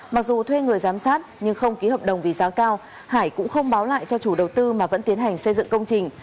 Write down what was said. mặc dù thuê người giám sát nhưng không ký hợp đồng vì giá cao hải cũng không báo lại cho chủ đầu tư mà vẫn tiến hành xây dựng công trình